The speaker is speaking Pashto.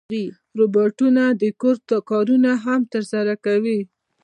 روبوټونه د کور کارونه هم ترسره کوي.